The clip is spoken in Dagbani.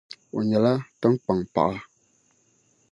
O nyɛla tinkpaŋ paɣa.